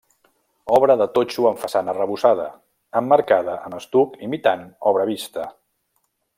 Obra de totxo amb façana arrebossada, emmarcada amb estuc imitant obra vista.